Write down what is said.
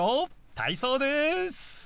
体操です。